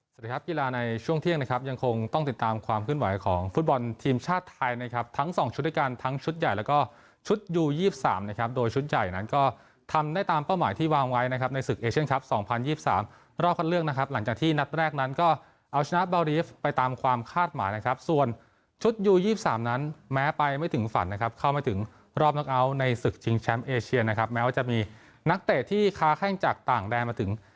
สวัสดีครับกีฬาในช่วงเที่ยงนะครับยังคงต้องติดตามความขึ้นไหวของฟุตบอลทีมชาติไทยนะครับทั้งสองชุดด้วยกันทั้งชุดใหญ่แล้วก็ชุดยูยีบสามนะครับโดยชุดใหญ่นั้นก็ทำได้ตามเป้าหมายที่วางไว้นะครับในศึกเอเชียนครับสองพันยี่สิบสามรอบความเลือกนะครับหลังจากที่นัดแรกนั้นก็เอาชนะเบารี